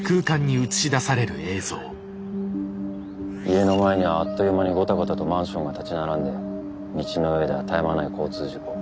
家の前にはあっという間にゴタゴタとマンションが立ち並んで道の上では絶え間ない交通事故。